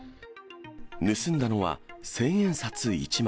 盗んだのは、千円札１枚。